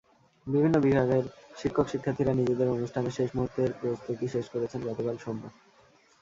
বিভিন্ন বিভাগের শিক্ষক-শিক্ষার্থীরা নিজেদের অনুষ্ঠানের শেষ মুহূর্তের প্রস্তুতি শেষ করেছেন গতকাল সোমবার।